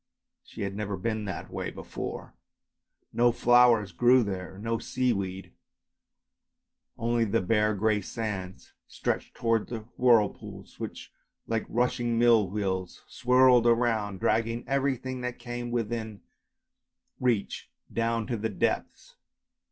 She had never been that way before; no flowers grew there, no seaweed, only the bare grey sands stretched towards the whirlpools, which like rushing mill wheels swirled round, dragging everything that came within reach down to the depths.